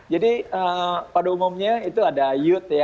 jadi pada umumnya itu ada youth ya